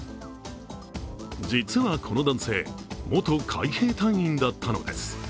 実はこの男性、元海兵隊員だったのです。